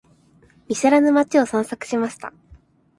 見知らぬ街を散策しました。